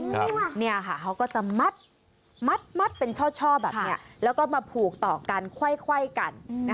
เขาก็จะมัดมัดเป็นช่อแบบนี้แล้วก็มาผูกต่อกันค่อยกัน